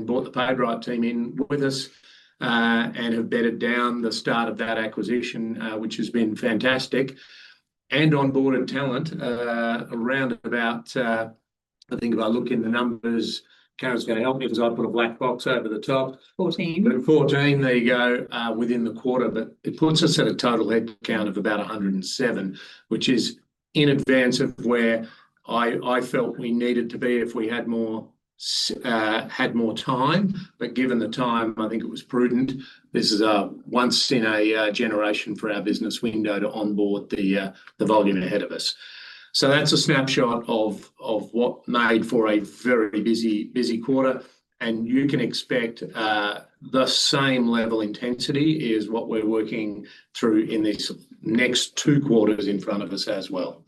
Brought the PaidRight team in with us and have bedded down the start of that acquisition, which has been fantastic. Onboarded talent around about, I think if I look in the numbers, Karen's gonna help me because I've put a black box over the top. 14. 14. There you go, within the quarter. It puts us at a total head count of about 107, which is in advance of where I felt we needed to be if we had more had more time. Given the time, I think it was prudent. This is a once-in-a-generation for our business window to onboard the volume ahead of us. That's a snapshot of what made for a very busy quarter. And you can expect the same level intensity is what we're working through in this next two quarters in front of us as well.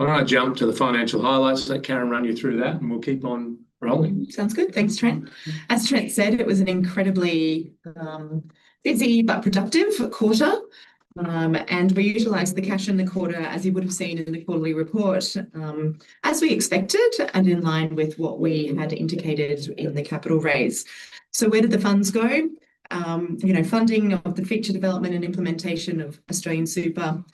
Why don't I jump to the financial highlights, let Karen run you through that, and we'll keep on rolling. Sounds good. Thanks, Trent. As Trent said, it was an incredibly busy but productive quarter. We utilized the cash in the quarter, as you would've seen in the quarterly report, as we expected and in line with what we had indicated in the capital raise. Where did the funds go? You know, funding of the feature development and implementation of AustralianSuper and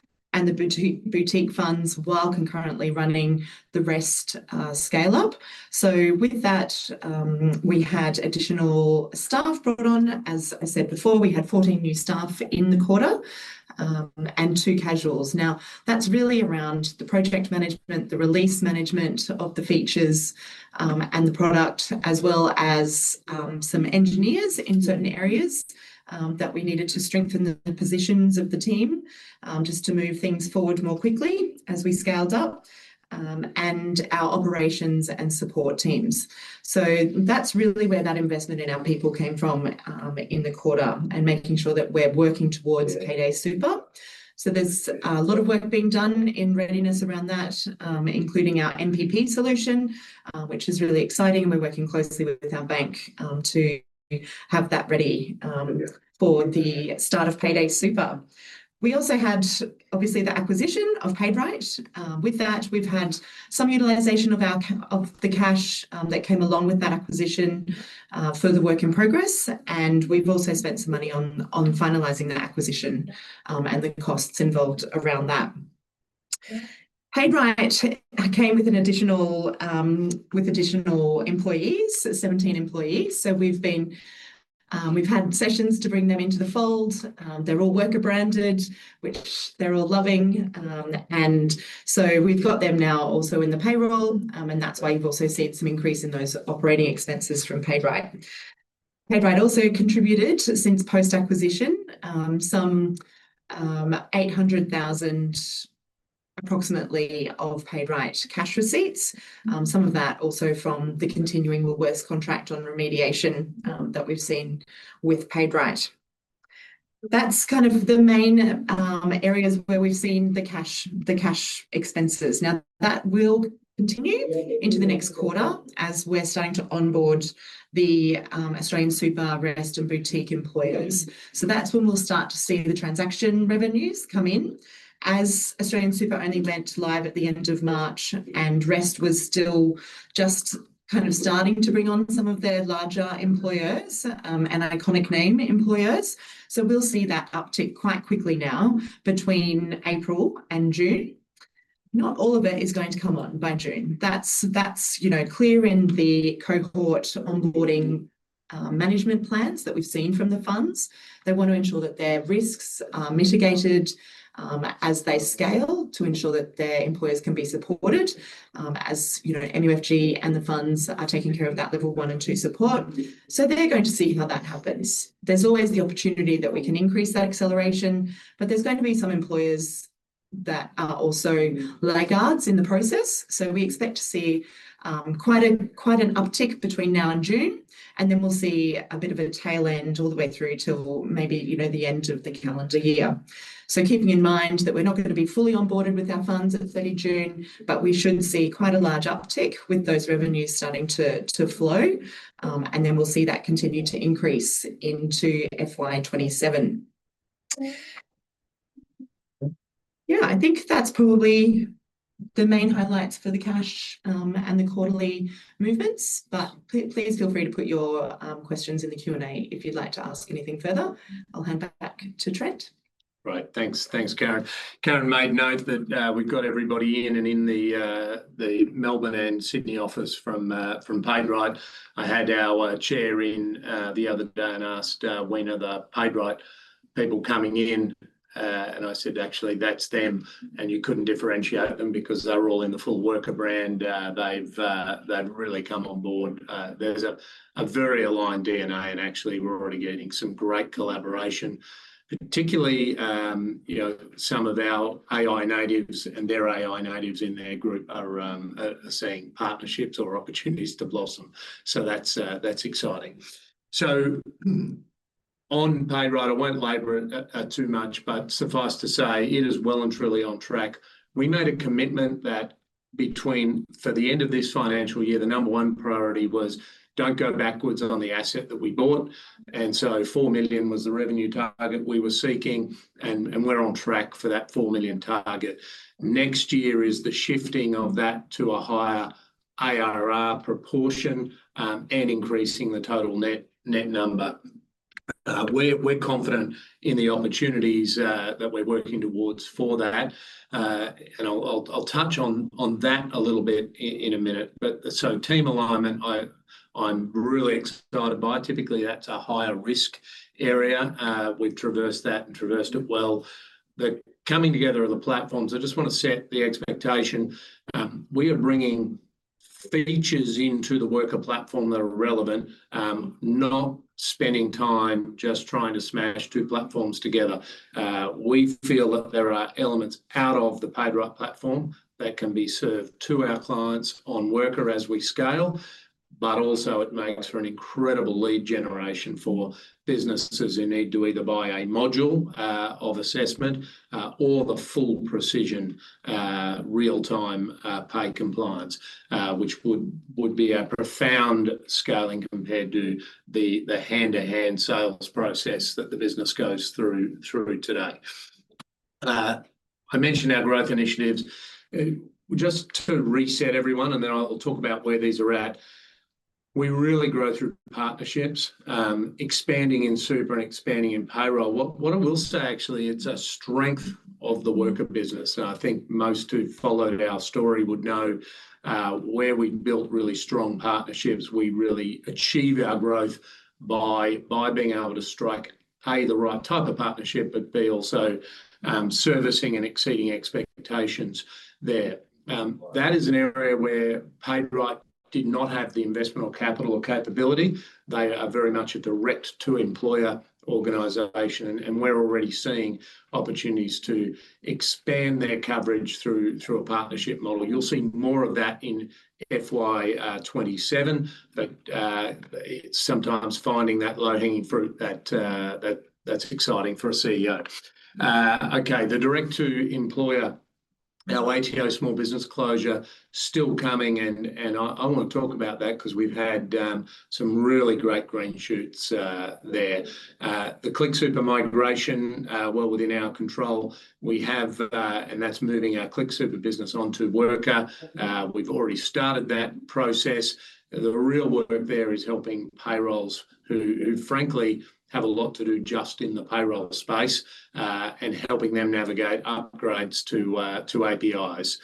the boutique funds while concurrently running the Rest scale up. With that, we had additional staff brought on. As I said before, we had 14 new staff in the quarter and two casuals. That's really around the project management, the release management of the features, and the product, as well as some engineers in certain areas. That we needed to strengthen the positions of the team, just to move things forward more quickly as we scaled up, and our operations and support teams. That's really where that investment in our people came from, in the quarter, and making sure that we're working towards Payday Super. There's a lot of work being done in readiness around that, including our NPP solution, which is really exciting, and we're working closely with our bank. To have that ready, for the start of Payday Super. We also had, obviously, the acquisition of PaidRight. With that, we've had some utilization of our of the cash that came along with that acquisition, further work in progress, and we've also spent some money on finalizing that acquisition and the costs involved around that. PaidRight came with an additional with additional employees, so 17 employees. We've been, we've had sessions to bring them into the fold. They're all Wrkr branded, which they're all loving. We've got them now also in the payroll, and that's why you've also seen some increase in those operating expenses from PaidRight. PaidRight also contributed since post-acquisition, some AUD 800,000, approximately, of PaidRight cash receipts. Some of that also from the continuing Woolworths contract on remediation that we've seen with PaidRight. That's kind of the main areas where we've seen the cash expenses. That will continue into the next quarter as we're starting to onboard the AustralianSuper, Rest, and boutique employers. That's when we'll start to see the transaction revenues come in, as AustralianSuper only went live at the end of March. And Rest was still just kind of starting to bring on some of their larger employers and iconic name employers. We'll see that uptick quite quickly now between April and June. Not all of it is going to come on by June. That's, that's, you know, clear in the cohort onboarding management plans that we've seen from the funds. They want to ensure that their risks are mitigated as they scale to ensure that their employers can be supported as, you know, MUFG and the funds are taking care of that level one and two support. They're going to see how that happens. There's always the opportunity that we can increase that acceleration, but there's going to be some employers that are also laggards in the process. We expect to see quite an uptick between now and June, and then we'll see a bit of a tail end all the way through till maybe, you know, the end of the calendar year. Keeping in mind that we're not gonna be fully onboarded with our funds at the 30th of June, but we should see quite a large uptick with those revenues starting to flow. We'll see that continue to increase into FY 2027. I think that's probably the main highlights for the cash and the quarterly movements. Please feel free to put your questions in the Q&A if you'd like to ask anything further. I'll hand back to Trent. Right. Thanks, Karen. Karen made note that we've got everybody in and in the Melbourne and Sydney office from PaidRight. I had our chair in the other day and asked, when are the PaidRight people coming in? And I said, actually, that's them, and you couldn't differentiate them because they're all in the full Wrkr brand. They've really come on board. There's a very aligned DNA, and actually we're already getting some great collaboration. Particularly, you know, some of our AI natives and their AI natives in their group are seeing partnerships or opportunities to blossom. That's exciting. On PaidRight, I won't labor it too much, but suffice to say, it is well and truly on track. We made a commitment that between, for the end of this financial year, the number one priority was don't go backwards on the asset that we bought. 4 million was the revenue target we were seeking, and we're on track for that 4 million target. Next year is the shifting of that to a higher IRR proportion, and increasing the total net number. We're confident in the opportunities that we're working towards for that. I'll touch on that a little bit in a minute. Team alignment, I'm really excited by. Typically, that's a higher risk area. We've traversed that and traversed it well. The coming together of the platforms, I just want to set the expectation, we are bringing features into the Wrkr platform that are relevant, not spending time just trying to smash two platforms together. We feel that there are elements out of the PaidRight platform that can be served to our clients on Wrkr as we scale. But also it makes for an incredible lead generation for businesses who need to either buy a module of assessment. Or the full PayPrecision real-time pay compliance, which would be a profound scaling compared to the hand-to-hand sales process that the business goes through today. I mentioned our growth initiatives. Just to reset everyone, and then I'll talk about where these are at. We really grow through partnerships, expanding in super and expanding in payroll. What I will say, actually, it's a strength of the Wrkr business, and I think most who've followed our story would know, where we built really strong partnerships. We really achieve our growth by being able to strike, A, the right type of partnership, but B, also, servicing and exceeding expectations there. That is an area where PaidRight did not have the investment or capital or capability. They are very much a direct-to-employer organization, and we're already seeing opportunities to expand their coverage through a partnership model. You'll see more of that in FY 2027. Sometimes finding that low-hanging fruit, that's exciting for a CEO. The direct-to-employer, our ATO small business closure still coming, and I want to talk about that because we've had some really great green shoots there. The ClickSuper migration, well within our control. That's moving our ClickSuper business onto Wrkr. We've already started that process. The real work there is helping payrolls who frankly have a lot to do just in the payroll space, and helping them navigate upgrades to APIs.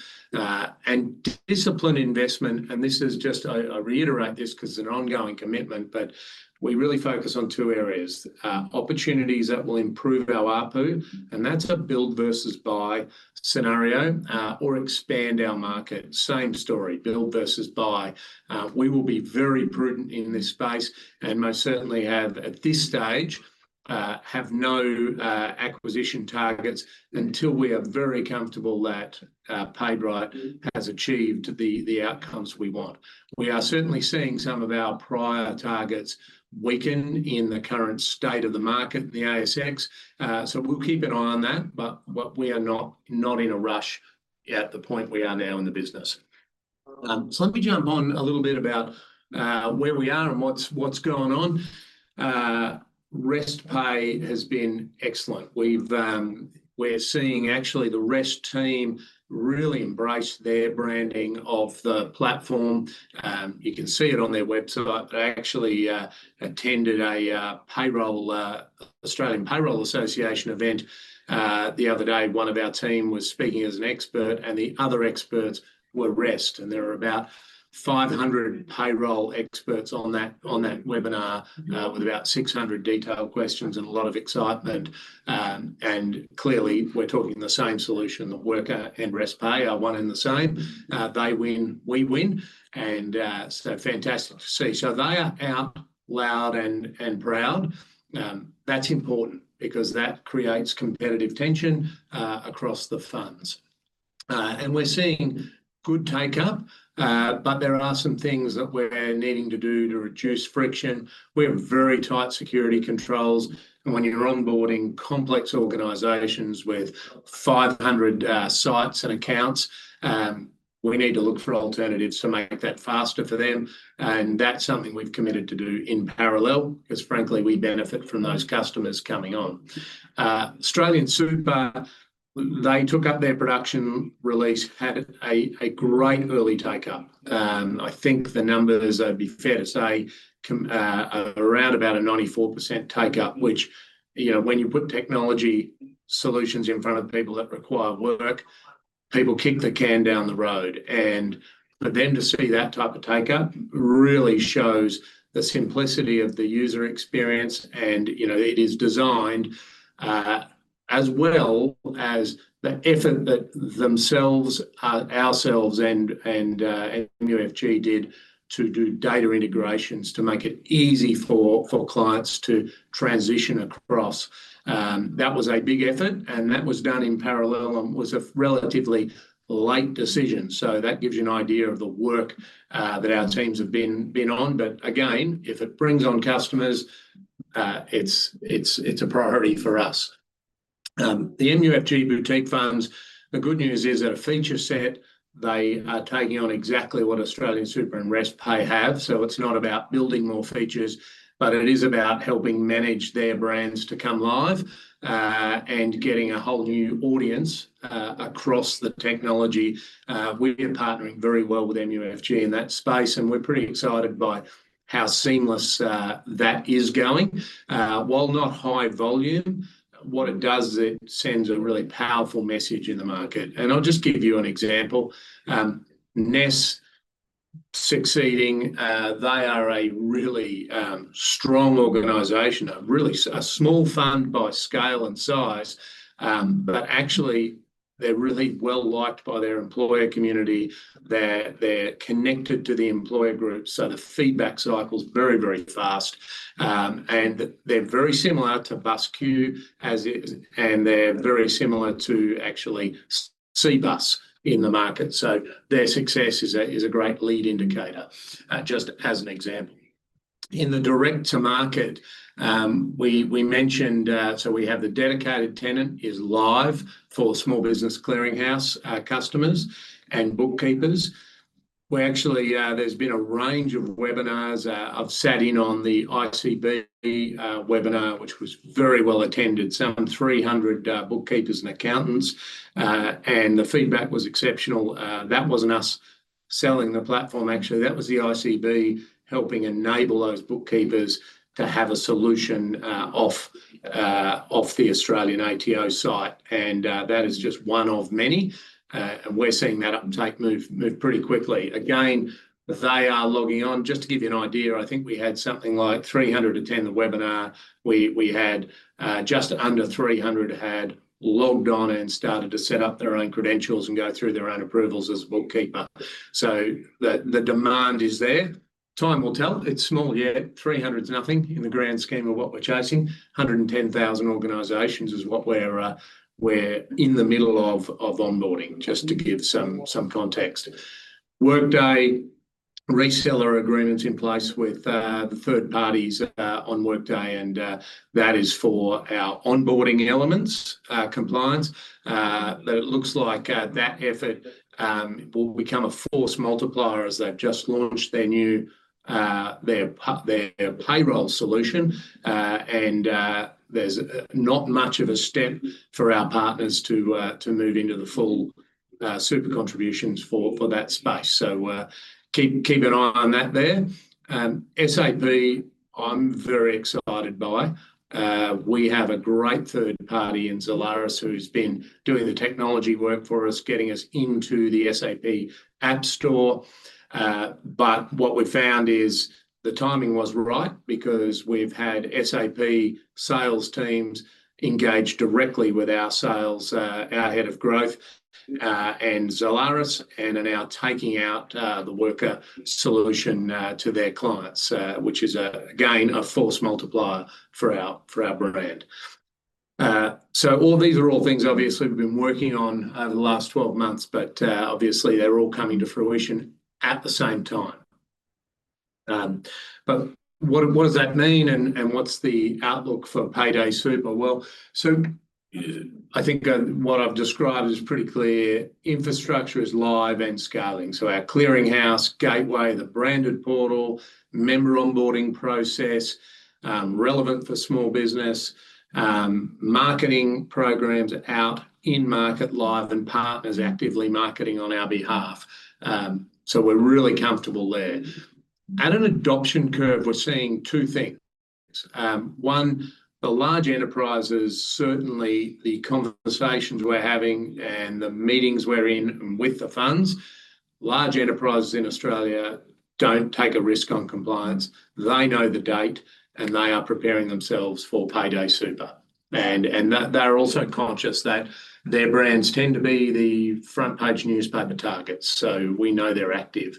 Disciplined investment, this is just, I reiterate this because it's an ongoing commitment, but we really focus on two areas. Opportunities that will improve our ARPU, and that's a build versus buy scenario, or expand our market. Same story, build versus buy. We will be very prudent in this space and most certainly have, at this stage, have no acquisition targets until we are very comfortable that PaidRight has achieved the outcomes we want. We are certainly seeing some of our prior targets weaken in the current state of the market, the ASX. We'll keep an eye on that. We are not in a rush at the point we are now in the business. Let me jump on a little bit about where we are and what's going on. Rest Pay has been excellent. We're seeing actually the Rest team really embrace their branding of the platform. You can see it on their website. I actually attended a payroll Australian Payroll Association event the other day. One of our team was speaking as an expert. The other experts were Rest. There were about 500 payroll experts on that webinar with about 600 detailed questions and a lot of excitement. Clearly, we're talking the same solution, that Wrkr and Rest Pay are one and the same. They win, we win, fantastic to see. They are out loud and proud. That's important because that creates competitive tension across the funds. We're seeing good take-up, but there are some things that we're needing to do to reduce friction. We have very tight security controls, and when you're onboarding complex organizations with 500 sites and accounts, we need to look for alternatives to make that faster for them. That's something we've committed to do in parallel because frankly, we benefit from those customers coming on. AustralianSuper, they took up their production release, had a great early take-up. I think the numbers, it'd be fair to say, around about a 94% take-up, which, you know, when you put technology solutions in front of people that require work, people kick the can down the road. For them to see that type of take-up really shows the simplicity of the user experience. And, you know, it is designed, as well as the effort that themselves, ourselves and MUFG did to do data integrations to make it easy for clients to transition across. That was a big effort, and that was done in parallel and was a relatively late decision. That gives you an idea of the work that our teams have been on. Again, if it brings on customers, it's a priority for us. The MUFG boutique funds, the good news is that a feature set, they are taking on exactly what AustralianSuper and Rest Pay have. It's not about building more features, but it is about helping manage their brands to come live, and getting a whole new audience across the technology. We've been partnering very well with MUFG in that space, and we're pretty excited by how seamless that is going. While not high volume, what it does is it sends a really powerful message in the market. I'll just give you an example. NESS Super succeeding. They are a really strong organization. A really small fund by scale and size, but actually they're really well-liked by their employer community. They're connected to the employer group, the feedback cycle's very, very fast. They're very similar to actually Cbus in the market. Their success is a great lead indicator, just as an example. In the direct-to-market, we mentioned, we have the dedicated tenant is live for small business clearinghouse customers and bookkeepers. We're actually, there's been a range of webinars. I've sat in on the ICB webinar, which was very well-attended. Some 300 bookkeepers and accountants. The feedback was exceptional. That wasn't us selling the platform actually, that was the ICB helping enable those bookkeepers to have a solution off the Australian ATO site. That is just one of many. We're seeing that uptake move pretty quickly. Again, they are logging on. Just to give you an idea, I think we had something like 300 attend the webinar. We had just under 300 had logged on and started to set up their own credentials and go through their own approvals as a bookkeeper. The demand is there. Time will tell. It's small yet, 300's nothing in the grand scheme of what we're chasing. 110,000 organizations is what we're in the middle of onboarding, just to give some context. Workday Reseller Agreement's in place with the third parties on Workday, and that is for our onboarding elements, compliance. It looks like that effort will become a force multiplier as they've just launched their new payroll solution. There's not much of a step for our partners to move into the full super contributions for that space. Keep an eye on that there. SAP, I'm very excited by. We have a great third party in Zalaris who's been doing the technology work for us, getting us into the SAP Store. What we've found is the timing was right because we've had SAP sales teams engage directly with our sales, our head of growth, and Zalaris and are now taking out the Wrkr solution to their clients. Which is, again, a force multiplier for our brand. All these are all things obviously we've been working on over the last 12 months, but obviously they're all coming to fruition at the same time. What does that mean and, what's the outlook for Payday Super? Well, I think what I've described is pretty clear. Infrastructure is live and scaling. Our clearinghouse, gateway, the branded portal, member onboarding process, relevant for small business. Marketing programs out in market live and partners actively marketing on our behalf. We're really comfortable there. At an adoption curve, we're seeing two things. One, the large enterprises, certainly the conversations we're having and the meetings we're in with the funds. Large enterprises in Australia don't take a risk on compliance. They know the date, and they are preparing themselves for Payday Super. That they're also conscious that their brands tend to be the front page newspaper targets, we know they're active.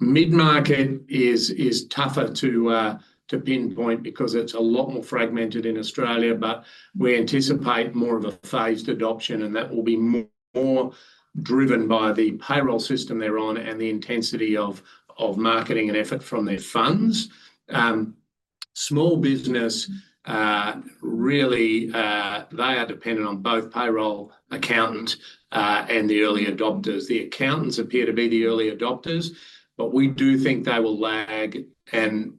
Mid-market is tougher to pinpoint because it's a lot more fragmented in Australia. But we anticipate more of a phased adoption, and that will be more driven by the payroll system they're on and the intensity of marketing and effort from their funds. Small business really, they are dependent on both payroll accountant and the early adopters. The accountants appear to be the early adopters, but we do think they will lag. In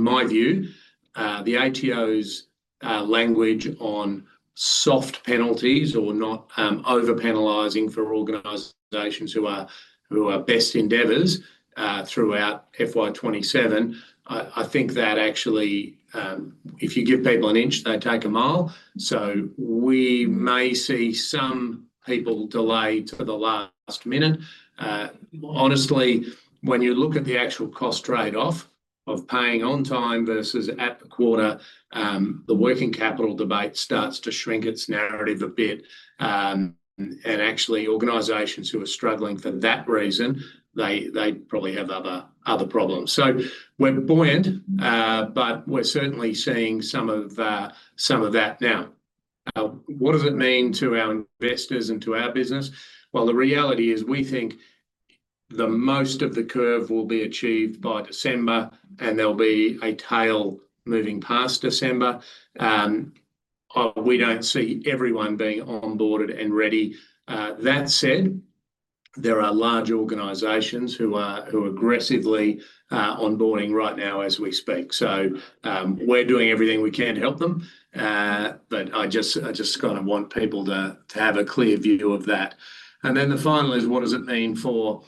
my view, the ATO's language on soft penalties or not overpenalizing for organizations who are best endeavors throughout FY 2027. I think that actually, if you give people an inch, they take a mile. We may see some people delay to the last minute. Honestly, when you look at the actual cost trade-off of paying on time versus at the quarter, the working capital debate starts to shrink its narrative a bit. Actually organizations who are struggling for that reason, they probably have other problems. We're buoyant, but we're certainly seeing some of that now. What does it mean to our investors and to our business? The reality is we think the most of the curve will be achieved by December, and there'll be a tail moving past December. We don't see everyone being onboarded and ready. That said, there are large organizations who are aggressively onboarding right now as we speak. We're doing everything we can to help them. I just kind of want people to have a clear view of that. The final is what does it mean for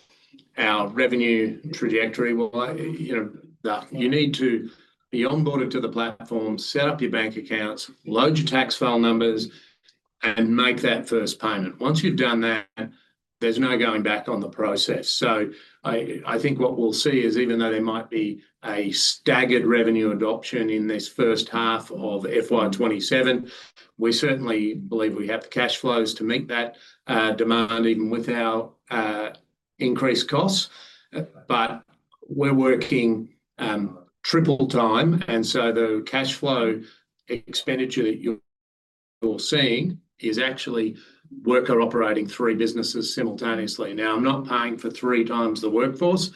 our revenue trajectory? Well, you know, you need to be onboarded to the platform, set up your bank accounts, load your tax file numbers. Make that first payment. Once you've done that, there's no going back on the process. I think what we'll see is even though there might be a staggered revenue adoption in this first half of FY 2027, we certainly believe we have the cash flows to meet that demand even with our increased costs. We're working triple time, the cash flow expenditure you're seeing is actually Wrkr operating three businesses simultaneously. I'm not paying for 3x the workforce,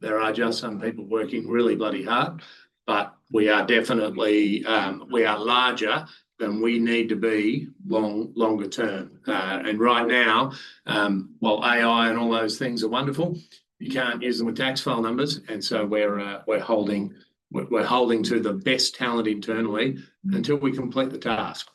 there are just some people working really bloody hard, but we are definitely larger than we need to be longer term. Right now, while AI and all those things are wonderful, you can't use them with Tax File Numbers, so we're holding to the best talent internally until we complete the task.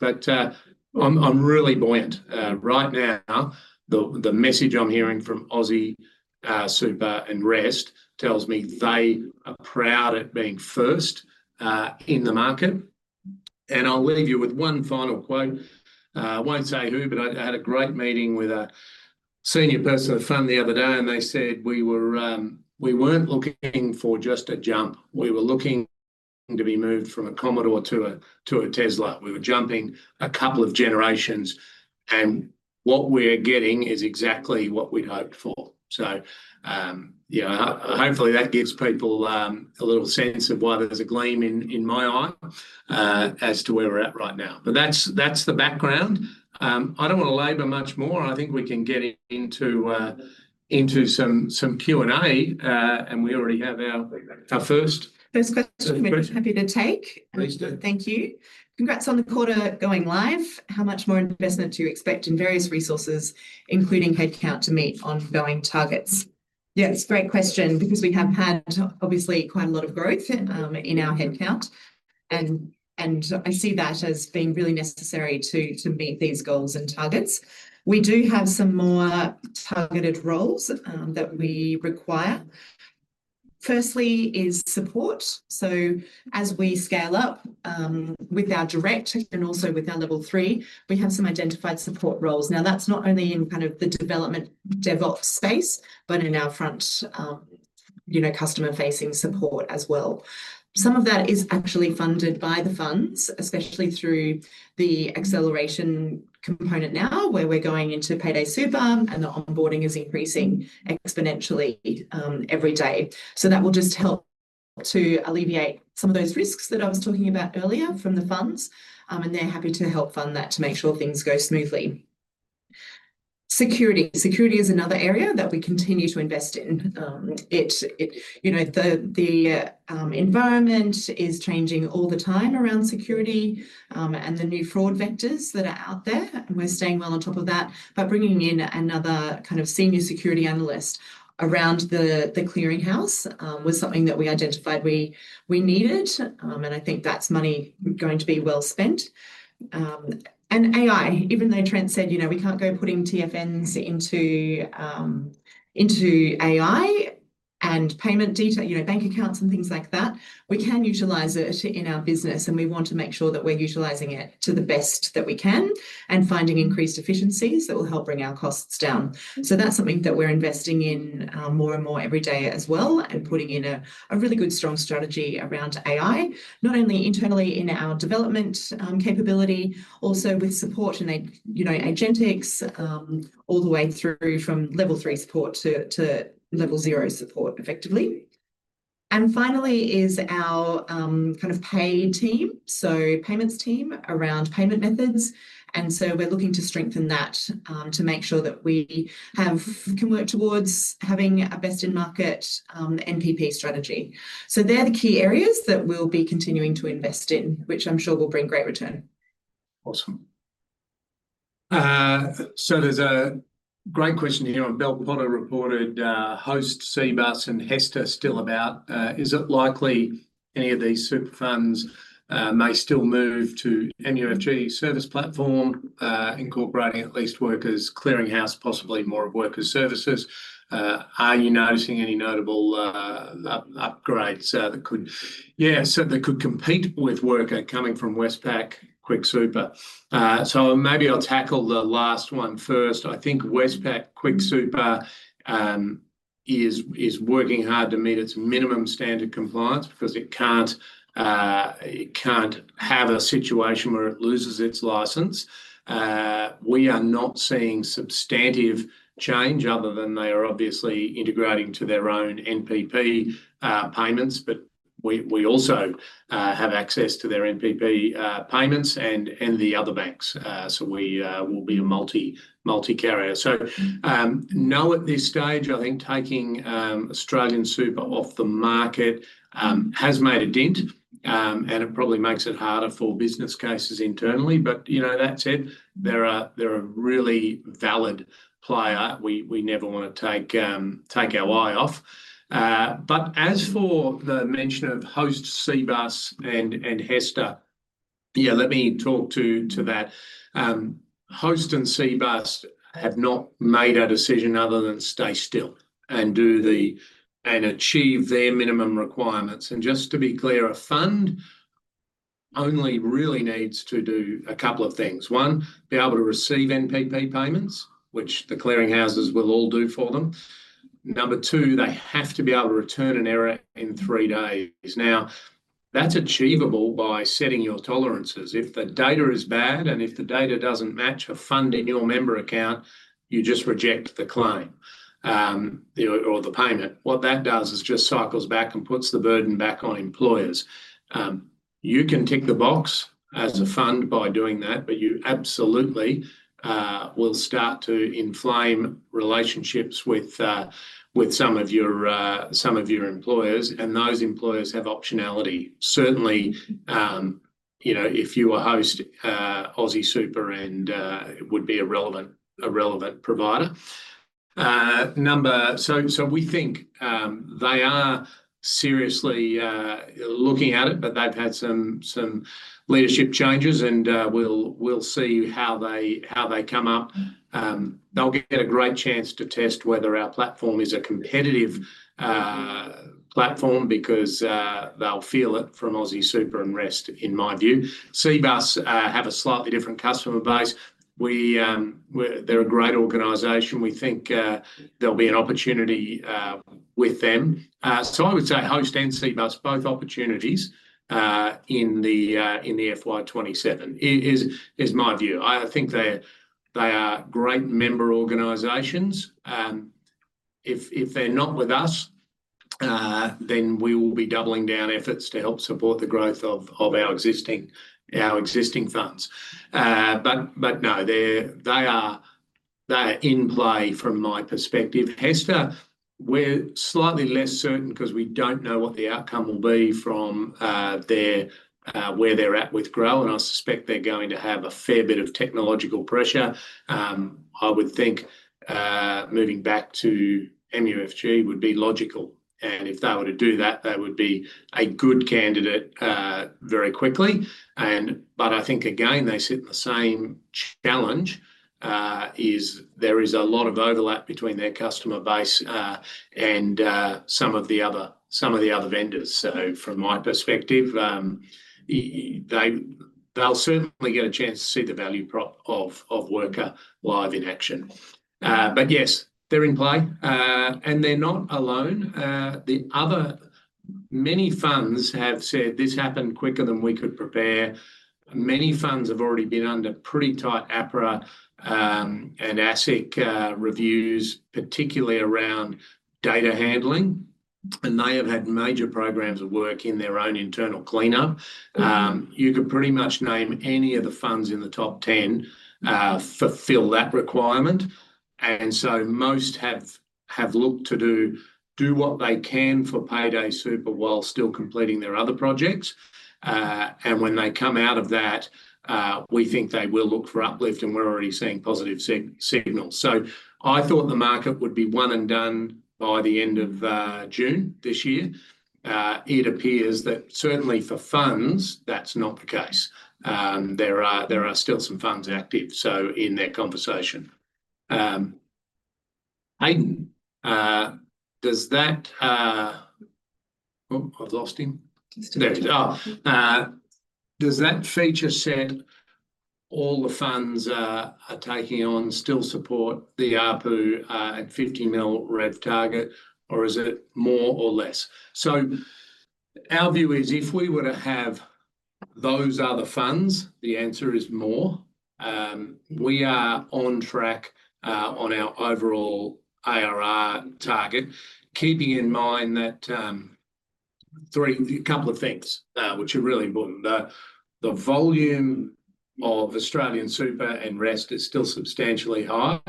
I'm really buoyant. Right now the message I'm hearing from AustralianSuper and Rest tells me they are proud at being first in the market. I'll leave you with one final quote. I won't say who, but I had a great meeting with a senior person of a fund the other day, and they said, we weren't looking for just a jump. We were looking to be moved from a Commodore to a Tesla. We were jumping a couple of generations, and what we're getting is exactly what we'd hoped for. You know, hopefully that gives people a little sense of why there's a gleam in my eye as to where we're at right now. That's the background. I don't wanna labor much more. I think we can get into some Q&A. We already have our first. First question. First question. We're happy to take. Pleased to. Thank you. Congrats on the quarter going live. How much more investment do you expect in various resources, including head count to meet ongoing targets? Yeah, it's a great question because we have had obviously quite a lot of growth in our headcount and I see that as being really necessary to meet these goals and targets. We do have some more targeted roles that we require. Firstly is support. As we scale up with our direct and also with our level three, we have some identified support roles. Now, that's not only in kind of the development DevOps space, but in our front, you know, customer-facing support as well. Some of that is actually funded by the funds, especially through the acceleration component now, where we're going into Payday Super and the onboarding is increasing exponentially every day. That will just help to alleviate some of those risks that I was talking about earlier from the funds, and they're happy to help fund that to make sure things go smoothly. Security. Security is another area that we continue to invest in. You know, the environment is changing all the time around security, and the new fraud vectors that are out there, and we're staying well on top of that. Bringing in another kind of senior security analyst around the clearing house was something that we identified we needed. I think that's money going to be well spent. AI, even though Trent said, you know, we can't go putting TFNs into AI and payment detail, you know, bank accounts and things like that, we can utilize it in our business, and we want to make sure that we're utilizing it to the best that we can. And finding increased efficiencies that will help bring our costs down. That's something that we're investing in more and more every day as well, and putting in a really good strong strategy around AI, not only internally in our development capability, also with support and, you know, agentics all the way through from level three support to level zero support effectively. Finally is our kind of pay team. Payments team around payment methods. We're looking to strengthen that to make sure that we can work towards having a best-in-market NPP strategy. They're the key areas that we'll be continuing to invest in, which I'm sure will bring great return. Awesome. There's a great question here on Bell Potter reported, Hostplus, Cbus, and HESTA still about. Is it likely any of these super funds may still move to MUFG service platform, incorporating at least Wrkr Clearing House, possibly more of Wrkr's services? Are you noticing any notable upgrades that could compete with Wrkr coming from Westpac QuickSuper? Maybe I'll tackle the last one first. I think Westpac QuickSuper is working hard to meet its minimum standard compliance because it can't have a situation where it loses its license. We are not seeing substantive change other than they are obviously integrating to their own NPP payments. We also have access to their NPP payments and the other banks. We will be a multi-carrier. No, at this stage, I think taking AustralianSuper off the market has made a dent. It probably makes it harder for business cases internally, but you know, that said, they're a really valid player. We never wanna take our eye off. As for the mention of Hostplus, Cbus, and HESTA, yeah, let me talk to that. Hostplus and Cbus have not made a decision other than stay still and do the, and achieve their minimum requirements. Just to be clear, a fund only really needs to do a couple of things. One, be able to receive NPP payments, which the clearing houses will all do for them. Number two, they have to be able to return an error in three days. That's achievable by setting your tolerances. If the data is bad and if the data doesn't match a fund in your member account, you just reject the claim, you know, or the payment. What that does is just cycles back and puts the burden back on employers. You can tick the box as a fund by doing that, but you absolutely will start to inflame relationships with some of your employers, and those employers have optionality. Certainly, you know, if you are Hostplus, AustralianSuper and would be a relevant, a relevant provider. We think they are seriously looking at it, but they've had some leadership changes, and we'll see how they, how they come up. They'll get a great chance to test whether our platform is a competitive platform because they'll feel it from AustralianSuper and Rest in my view. Cbus have a slightly different customer base. We, they're a great organization. We think there'll be an opportunity with them. I would say Hostplus and Cbus, both opportunities in the FY 2027. Is my view. I think they are great member organizations. If they're not with us, then we will be doubling down efforts to help support the growth of our existing funds. No, they are in play from my perspective. HESTA, we're slightly less certain because we don't know what the outcome will be from their where they're at with Grow, and I suspect they're going to have a fair bit of technological pressure. I would think moving back to MUFG would be logical. If they were to do that, they would be a good candidate very quickly. I think again they sit in the same challenge, is there is a lot of overlap between their customer base and some of the other vendors. From my perspective, they'll certainly get a chance to see the value prop of Wrkr live in action. But yes, they're in play. They're not alone. The other many funds have said, this happened quicker than we could prepare. Many funds have already been under pretty tight APRA and ASIC reviews, particularly around data handling. They have had major programs of work in their own internal cleanup. You could pretty much name any of the funds in the top 10 fulfill that requirement. Most have looked to do what they can for Payday Super while still completing their other projects. When they come out of that, we think they will look for uplift, and we're already seeing positive signals. I thought the market would be one and done by the end of June this year. It appears that certainly for funds, that's not the case. There are still some funds active, so in that conversation. Hayden, Oh, I've lost him. He's still there. There. Does that feature set all the funds are taking on still support the ARPU at 50 million revenue target, or is it more or less? Our view is if we were to have those other funds, the answer is more. We are on track on our overall ARR target, keeping in mind that a couple of things which are really important. The volume of AustralianSuper and Rest is still substantially high.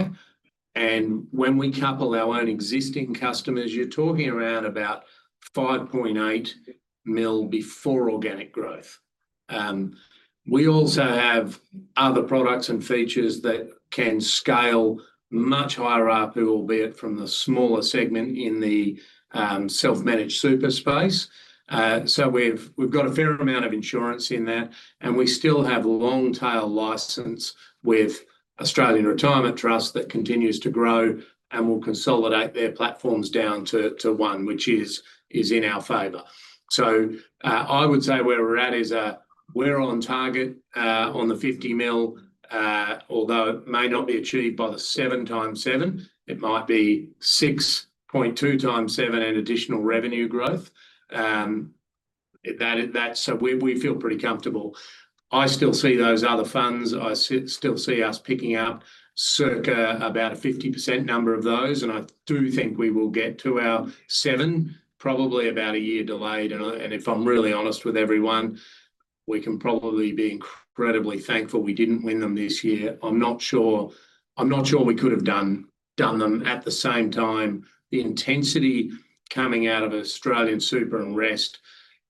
When we couple our own existing customers, you're talking around about 5.8 million before organic growth. We also have other products and features that can scale much higher ARPU, albeit from the smaller segment in the self-managed super space. We've got a fair amount of insurance in that, and we still have a long tail license with Australian Retirement Trust that continues to grow and will consolidate their platforms down to one, which is in our favor. I would say where we're at is, we're on target on the 50 million, although it may not be achieved by the 7 X 7. It might be 6.2 X 7 in additional revenue growth. That's. We feel pretty comfortable. I still see those other funds. I still see us picking up circa about a 50% number of those, and I do think we will get to our 7, probably about a year delayed. If I'm really honest with everyone, we can probably be incredibly thankful we didn't win them this year. I'm not sure we could have done them. At the same time, the intensity coming out of AustralianSuper and Rest,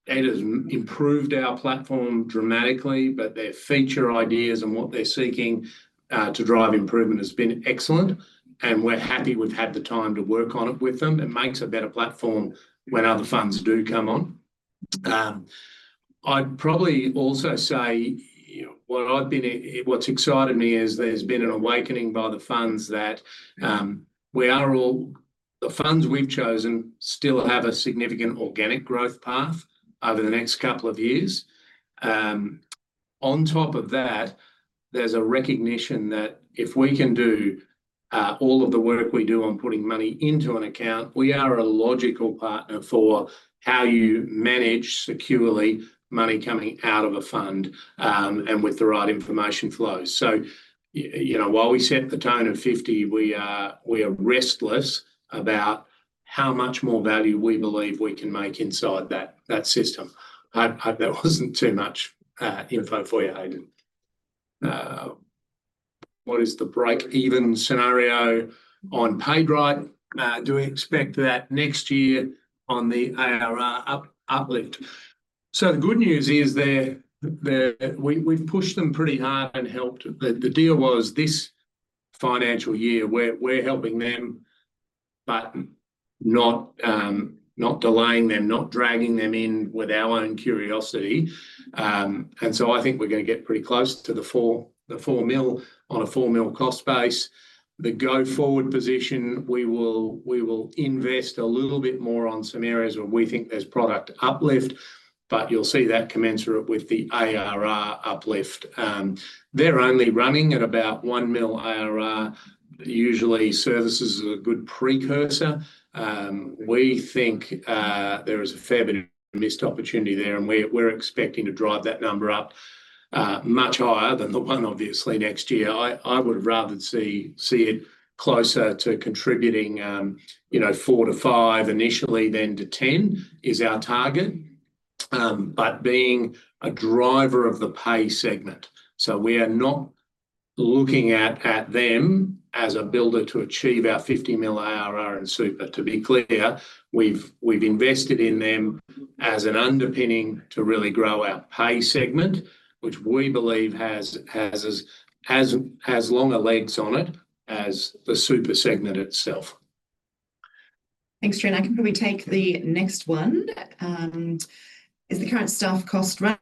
it has improved our platform dramatically. Their feature ideas and what they're seeking to drive improvement has been excellent, and we're happy we've had the time to work on it with them. It makes a better platform when other funds do come on. I'd probably also say, you know, what's excited me is there's been an awakening by the funds that the funds we've chosen still have a significant organic growth path over the next couple of years. On top of that, there's a recognition that if we can do all of the work we do on putting money into an account, we are a logical partner for how you manage securely money coming out of a fund, and with the right information flow. You know, while we set the tone at 50, we are, we are restless about how much more value we believe we can make inside that system. I hope that wasn't too much info for you, Hayden. What is the break-even scenario on PaidRight? Do we expect that next year on the ARR uplift? The good news is we've pushed them pretty hard and helped. The deal was this financial year we're helping them but not delaying them, not dragging them in with our own curiosity. I think we're gonna get pretty close to the 4 million on a 4 million cost base. The go-forward position, we will invest a little bit more on some areas where we think there's product uplift, but you'll see that commensurate with the ARR uplift. They're only running at about 1 million ARR. Usually services is a good precursor. We think there is a fair bit of missed opportunity there, and we're expecting to drive that number up much higher than the one obviously next year. I would have rather see it closer to contributing, you know, 4 million-5 million initially, then to 10 million is our target. Being a driver of the pay segment. We are not looking at them as a builder to achieve our 50 million ARR in Super. To be clear, we've invested in them as an underpinning to really grow our pay segment, which we believe has longer legs on it as the Super segment itself. Thanks, Trent. I can probably take the next one. Is the current staff cost run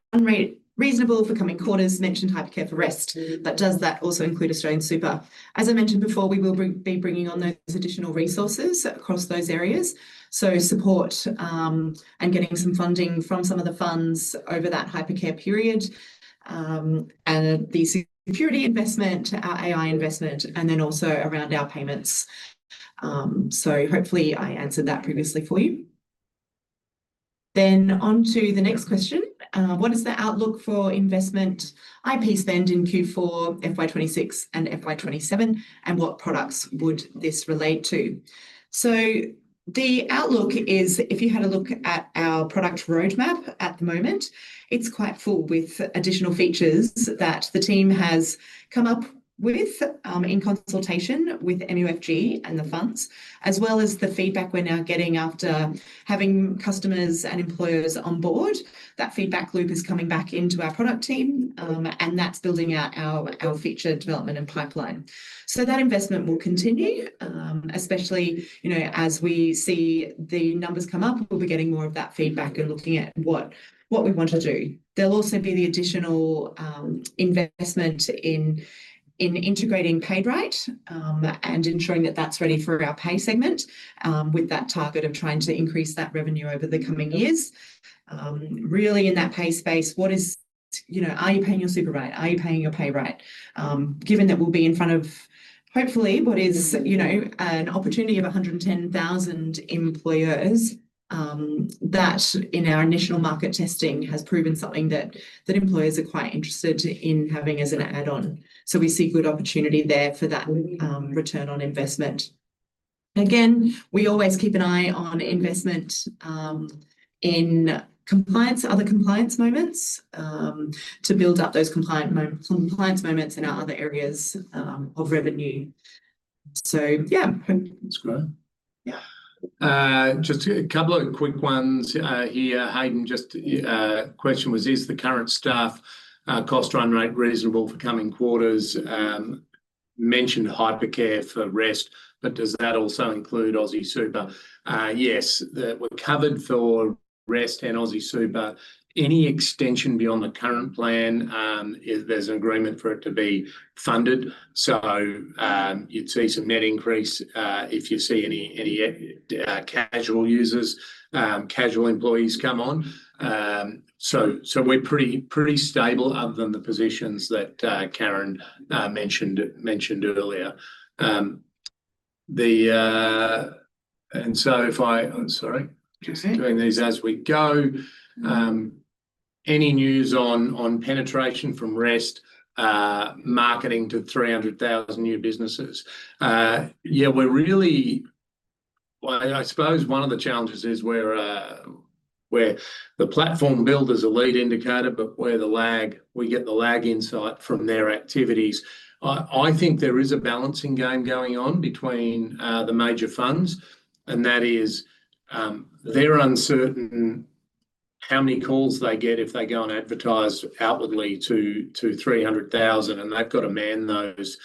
rate reasonable for coming quarters? Mentioned Hypercare for Rest, but does that also include AustralianSuper? As I mentioned before, we will be bringing on those additional resources across those areas. So support, and getting some funding from some of the funds over that Hypercare period. And the security investment, our AI investment, and then also around our payments. Hopefully I answered that previously for you. On to the next question. What is the outlook for investment IP spend in Q4 FY 2026 and FY 2027, and what products would this relate to? The outlook is, if you had a look at our product roadmap at the moment, it's quite full with additional features that the team has come up with, in consultation with MUFG and the funds. As well as the feedback we're now getting after having customers and employers on board. That feedback loop is coming back into our product team, and that's building out our feature development and pipeline. That investment will continue. Especially, you know, as we see the numbers come up, we'll be getting more of that feedback and looking at what we want to do. There'll also be the additional investment in integrating PaidRight, and ensuring that that's ready for our PAY segment, with that target of trying to increase that revenue over the coming years. Really in that PAY space, what is. You know, are you paying your Super right? Are you paying your PaidRight? Given that we'll be in front of hopefully what is, you know, an opportunity of 110,000 employers, that in our initial market testing has proven something that employers are quite interested to, in having as an add-on. We see good opportunity there for that return on investment. Again, we always keep an eye on investment in compliance, other compliance moments, to build up those compliance moments in our other areas of revenue. Yeah. That's great. Yeah. Just a couple of quick ones here, Hayden. Question was, is the current staff cost run rate reasonable for coming quarters? Mentioned Hypercare for Rest, does that also include AustralianSuper? Yes. We're covered for Rest and AustralianSuper. Any extension beyond the current plan, there's an agreement for it to be funded. You'd see some net increase if you see any casual users, casual employees come on. We're pretty stable other than the positions that Karen mentioned earlier. I'm sorry. Go ahead. Doing these as we go. Any news on penetration from Rest marketing to 300,000 new businesses? Well, I suppose one of the challenges is we're the platform builders a lead indicator, but we're the lag. We get the lag insight from their activities. I think there is a balancing game going on between the major funds, and that is, they're uncertain how many calls they get if they go and advertise outwardly to 300,000. They've got to man those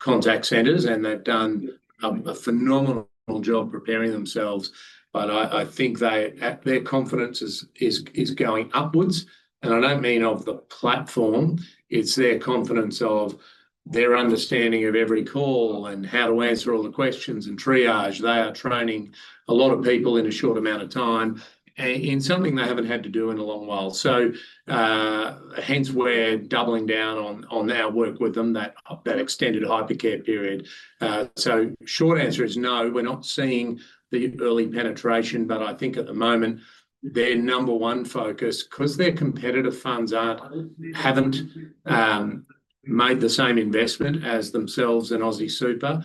contact centers, and they've done a phenomenal job preparing themselves. I think their confidence is going upwards, and I don't mean of the platform. It's their confidence of their understanding of every call and how to answer all the questions and triage. They are training a lot of people in a short amount of time and something they haven't had to do in a long while. Hence we're doubling down on our work with them, that extended Hypercare period. Short answer is no, we're not seeing the early penetration. I think at the moment their number one focus, because their competitive funds haven't made the same investment as themselves and Aussie Super.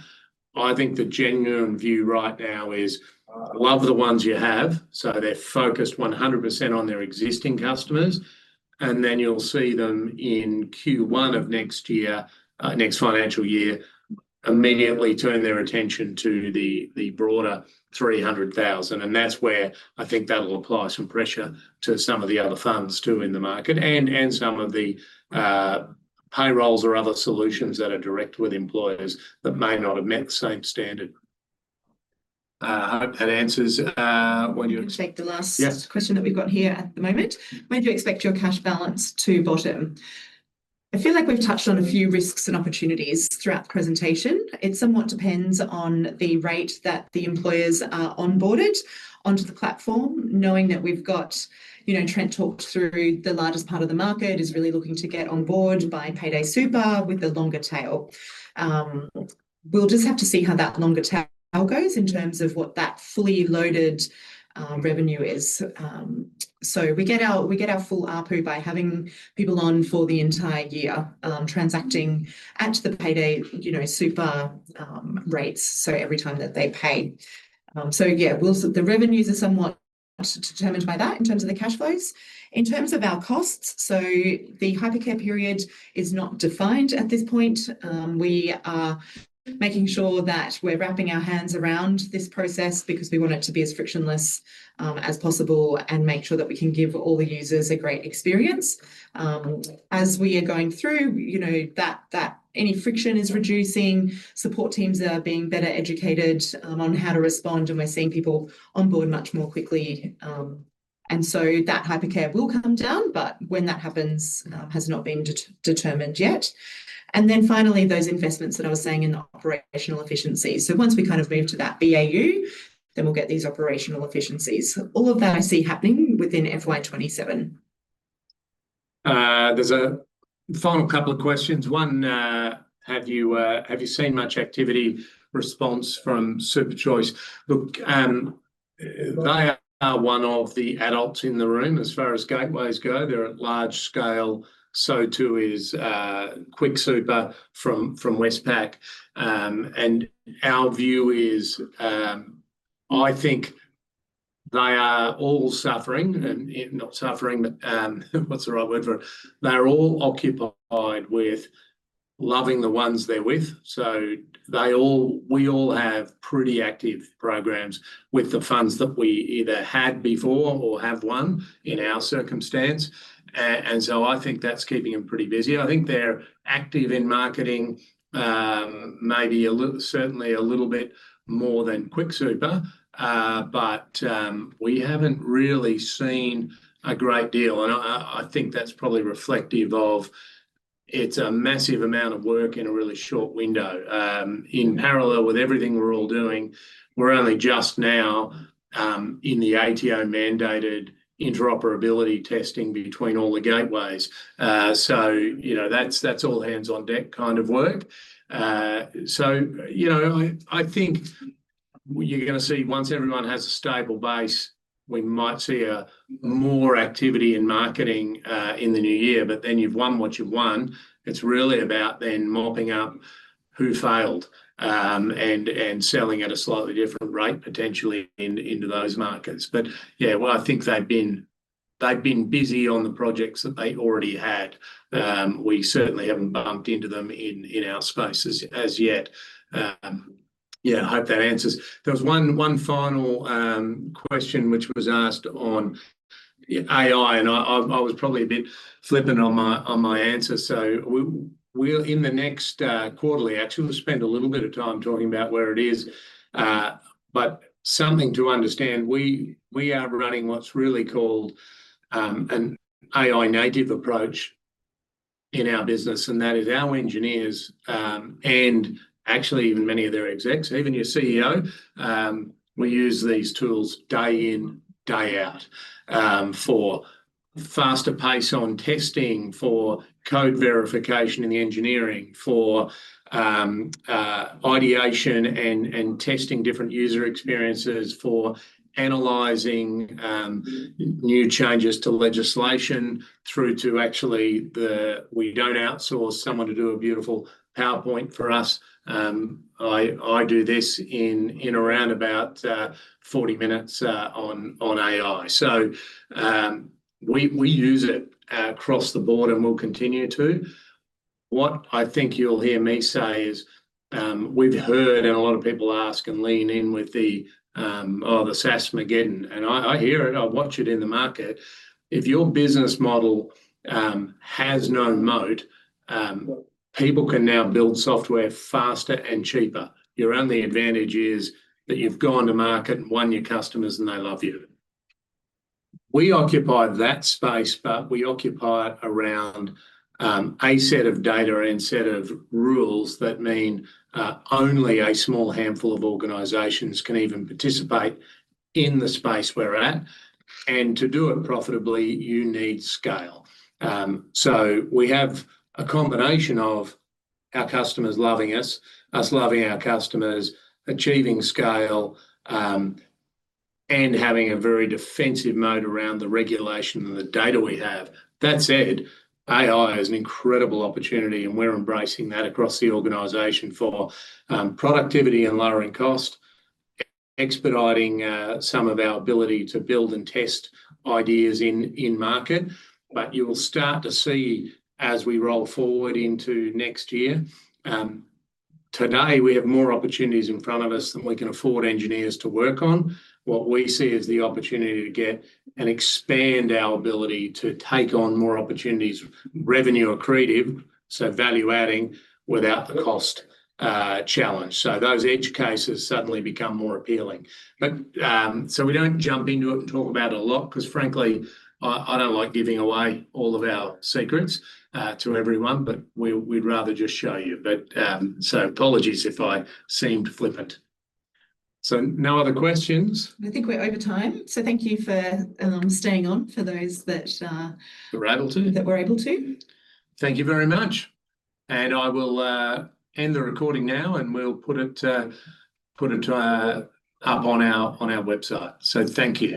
I think the genuine view right now is love the ones you have, they're focused 100% on their existing customers. You'll see them in Q1 of next year, next financial year, immediately turn their attention to the broader 300,000. That's where I think that'll apply some pressure to some of the other funds too in the market and some of the payrolls or other solutions that are direct with employers that may not have met the same standard. I hope that answers. Looks like the last- Yes. -question that we've got here at the moment. When do you expect your cash balance to bottom? I feel like we've touched on a few risks and opportunities throughout the presentation. It somewhat depends on the rate that the employers are onboarded onto the platform. Knowing that we've got, Trent talked through the largest part of the market, is really looking to get on board by Payday Super with the longer tail. We'll just have to see how that longer tail goes in terms of what that fully loaded revenue is. We get our full ARPU by having people on for the entire year, transacting at the Payday super rates, so every time that they pay. Well the revenues are somewhat determined by that in terms of the cash flows. In terms of our costs, the Hypercare period is not defined at this point. We are making sure that we're wrapping our hands around this process because we want it to be as frictionless as possible and make sure that we can give all the users a great experience. As we are going through, you know, that any friction is reducing. Support teams are being better educated on how to respond, and we're seeing people onboard much more quickly. That Hypercare will come down, but when that happens, has not been de-determined yet. Finally, those investments that I was saying in the operational efficiencies. Once we kind of move to that BAU, then we'll get these operational efficiencies. All of that I see happening within FY 2027. There's a final couple of questions. One, have you seen much activity response from SuperChoice? Look, they are one of the adults in the room as far as gateways go. They're a large scale, so too is QuickSuper from Westpac. Our view is, I think they are all suffering and not suffering, but what's the right word for it? They're all occupied with loving the ones they're with. We all have pretty active programs with the funds that we either had before or have won in our circumstance. I think that's keeping them pretty busy. I think they're active in marketing, maybe certainly a little bit more than QuickSuper. We haven't really seen a great deal, and I think that's probably reflective of it's a massive amount of work in a really short window. In parallel with everything we're all doing, we're only just now in the ATO-mandated interoperability testing between all the gateways. That's all hands on deck kind of work. I think you're gonna see once everyone has a stable base, we might see more activity in marketing in the new year, but then you've won what you've won. It's really about then mopping up who failed, and selling at a slightly different rate potentially into those markets. Yeah. Well, I think they've been busy on the projects that they already had. We certainly haven't bumped into them in our space as yet. Yeah, I hope that answers. There was one final question which was asked on AI, and I was probably a bit flippant on my, on my answer. We'll in the next quarterly, actually spend a little bit of time talking about where it is. Something to understand, we are running what's really called an AI-native approach in our business, and that is our engineers, and actually even many of their execs, even your CEO, we use these tools day in, day out for faster pace on testing, for code verification in the engineering, for ideation and testing different user experiences, for analyzing new changes to legislation. We don't outsource someone to do a beautiful PowerPoint for us. I do this in around about 40 minutes on AI. We, we use it across the board, and we'll continue to. What I think you'll hear me say is, we've heard and a lot of people ask and lean in with the, oh, the SaaSmageddon, and I hear it, I watch it in the market. If your business model has no moat, people can now build software faster and cheaper. Your only advantage is that you've gone to market and won your customers, and they love you. We occupy that space, but we occupy it around a set of data and set of rules that mean only a small handful of organizations can even participate in the space we're at. To do it profitably, you need scale. We have a combination of our customers loving us loving our customers, achieving scale, and having a very defensive mode around the regulation and the data we have. That said, AI is an incredible opportunity, and we're embracing that across the organization for productivity and lowering cost, expediting some of our ability to build and test ideas in market. You'll start to see as we roll forward into next year, today, we have more opportunities in front of us than we can afford engineers to work on. What we see is the opportunity to get and expand our ability to take on more opportunities, revenue accretive, so value-adding, without the cost challenge. Those edge cases suddenly become more appealing. We don't jump into it and talk about it a lot because frankly, I don't like giving away all of our secrets to everyone, but we'd rather just show you. Apologies if I seemed flippant. No other questions? I think we're over time, so thank you for staying on for those that. Who were able to. That were able to. Thank you very much. I will end the recording now, we'll put it up on our website. Thank you.